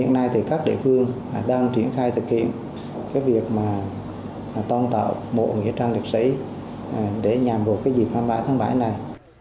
năm nay thì các địa phương đang triển khai thực hiện việc tôn tạo mộ nghĩa trang liệt sĩ để nhằm vượt dịp tháng bảy này